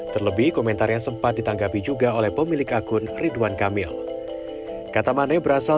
terlebih komentar yang sempat ditanggapi juga oleh pemilik akun ridwan kamil kata maneh berasal